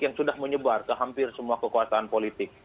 yang sudah menyebar ke hampir semua kekuasaan politik